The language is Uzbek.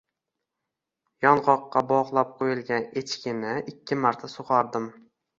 Yong‘oqqa bog‘lab qo‘yilgan echkini ikki marta sug‘ordim.